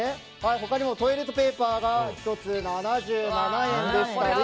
他にもトイレットペーパーが１つ７７円でしたり